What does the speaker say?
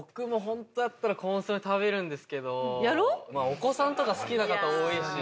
お子さんとか好きな方多いし。